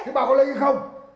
thế bà có lên cái không